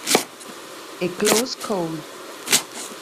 A Close Call